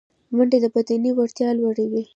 منډه د بدني وړتیا لوړوي